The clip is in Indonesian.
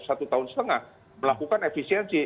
satu tahun setengah melakukan efisiensi